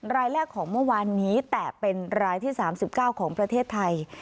รายแรกของเมื่อวานนี้แต่เป็นรายที่๓๙ของประเทศไทย